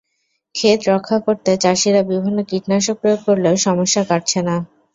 খেত রক্ষা করতে চাষিরা বিভিন্ন কীটনাশক প্রয়োগ করলেও সমস্যা কাটছে না।